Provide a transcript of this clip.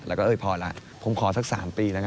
แล้วก็เออพอละผมขอสัก๓ปี